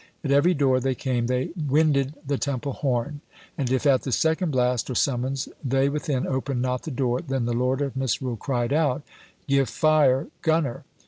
At every door they came they winded the Temple horn, and if at the second blast or summons they within opened not the door, then the Lord of Misrule cried out, 'Give fire, gunner!'